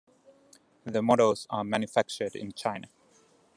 The models are manufactured in China.